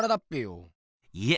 いえ。